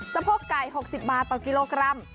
สะโพกไก่๖๐บาทต่อกิโลกรัม